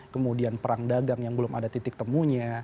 kemudian perang dagang yang belum ada titik temunya